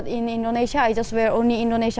tapi di indonesia saya hanya memakai pakaian indonesia